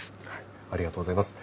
ありがとうございます。